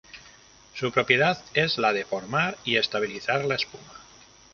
Su propiedad es la de formar y estabilizar la espuma.